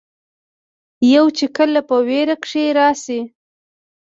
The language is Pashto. يو چې کله پۀ وېره کښې راشي